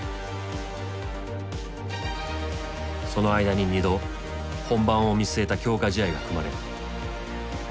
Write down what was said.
その間に２度本番を見据えた強化試合が組まれる。